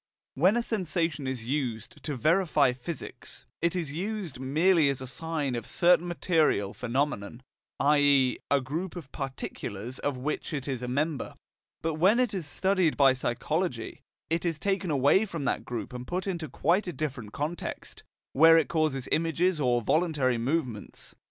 When a sensation is used to verify physics, it is used merely as a sign of a certain material phenomenon, i.e. of a group of particulars of which it is a member. But when it is studied by psychology, it is taken away from that group and put into quite a different context, where it causes images or voluntary movements.